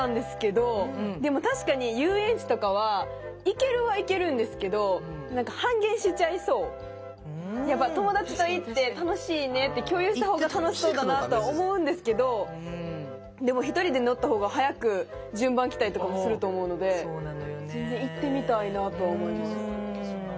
ってマインドなんですけどでも確かにやっぱ友達と行って楽しいねって共有した方が楽しそうだなとは思うんですけどでもひとりで乗った方が早く順番来たりとかもすると思うので全然行ってみたいなとは思います。